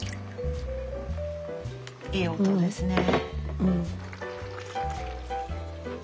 いい音ですね。